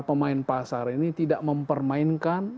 pemain pasar ini tidak mempermainkan